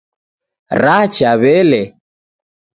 Racha wele